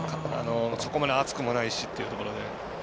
そこまで暑くもないしっていうところで。